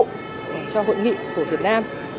cho hội nghị của việt nam